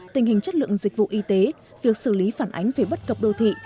tình hình chất lượng dịch vụ y tế việc xử lý phản ánh về bất cập đô thị